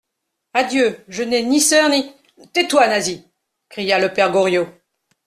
Adieu, je n'ai ni sœur, ni … Tais-toi, Nasie ! cria le père Goriot.